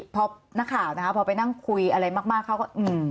พอนักข่าวนะคะพอไปนั่งคุยอะไรมากเขาก็อืม